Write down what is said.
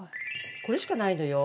これしかないのよ。